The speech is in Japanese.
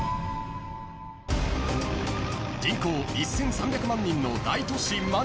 ［人口１，３００万人の大都市］